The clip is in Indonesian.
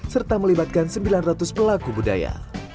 serta melibatkan sembilan ratus pelaku budaya